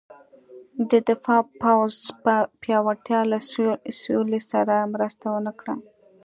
د دفاع پوځ پیاوړتیا له سولې سره مرسته ونه کړه.